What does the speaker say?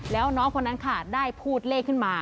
แล้วน้องคนนั้นค่ะได้พูดเลขขึ้นมา